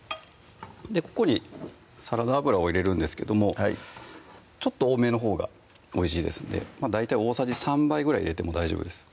ここにサラダ油を入れるんですけどもちょっと多めのほうがおいしいですので大体大さじ３杯ぐらい入れても大丈夫です